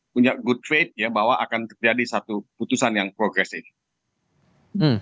punya good faith ya bahwa akan terjadi satu putusan yang progresif